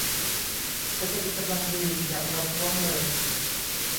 เศรษฐกิจกำลังดี อย่าประท้วงเลย